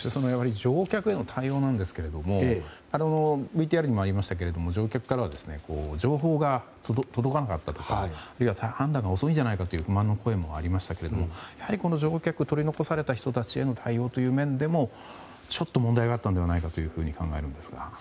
乗客への対応なんですがＶＴＲにもありましたけど乗客からは情報が届かなかったとかあるいは判断が遅いんじゃないかという不満の声もありましたけれども乗客、取り残された人たちへの対応という面でもちょっと問題があったのではと考えるんですが。